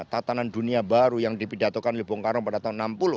tatanan dunia baru yang dipidatakan lepung karo pada tahun seribu sembilan ratus enam puluh